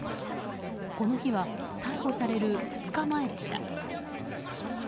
この日は逮捕される２日前でした。